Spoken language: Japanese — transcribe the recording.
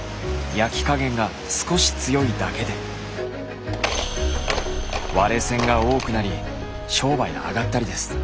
焼き加減が少し強いだけで「割れせん」が多くなり商売あがったりです。